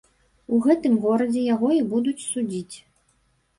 У гэтым горадзе яго і будуць судзіць.